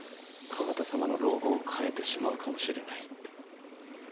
鎌田様の老後を変えてしまうかもしれないって。